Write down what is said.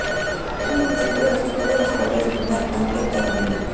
Asimismo, estuvo en los cuartos de final ante Carmelita.